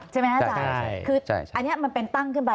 ใช่ไหมอาจารย์คืออันนี้มันเป็นตั้งขึ้นไป